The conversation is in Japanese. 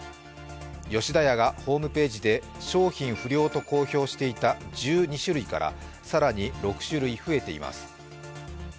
吉田屋がホームページで商品不良と公表していた１２種類から更に６種類増えています。